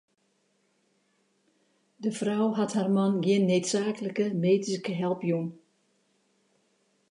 De frou hat har man gjin needsaaklike medyske help jûn.